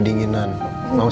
di video selanjutnya